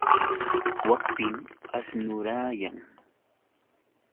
Wakpim asnurayan.